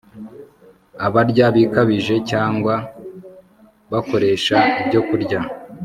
Abarya bikabije cyangwa bakoresha ibyokurya